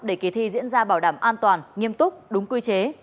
để kỳ thi diễn ra bảo đảm an toàn nghiêm túc đúng quy chế